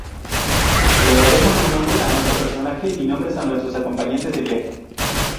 Le daremos un nombre a nuestro personaje y nombres a nuestros acompañantes de viaje.